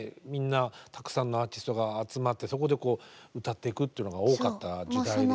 みんなたくさんのアーティストが集まってそこで歌っていくっていうのが多かった時代で。